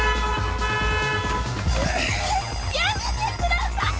やめてください！